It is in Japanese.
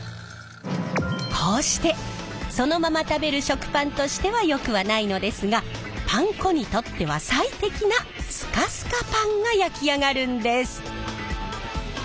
こうしてそのまま食べる食パンとしてはよくはないのですがパン粉にとっては最適なスカスカパンが焼き上がるんです！